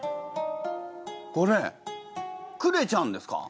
これクレちゃんですか？